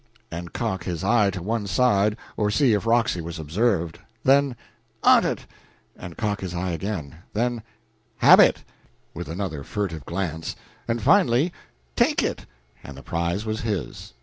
and cock his eye to one side to see if Roxy was observing; then, "Awnt it!" and cock his eye again; then, "Hab it!" with another furtive glance; and finally, "Take it!" and the prize was his.